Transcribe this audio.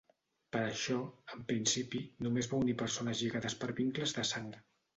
Per això, en principi, només va unir persones lligades per vincles de sang.